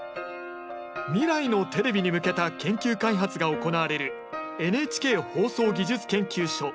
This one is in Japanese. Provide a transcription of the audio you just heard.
未来のテレビに向けた研究開発が行われるＮＨＫ放送技術研究所技研。